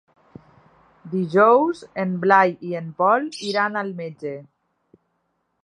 Dijous en Blai i en Pol iran al metge.